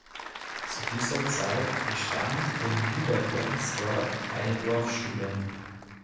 Zu dieser Zeit bestand in Nieder Berzdorf eine Dorfschule.